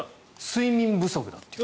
睡眠不足だって。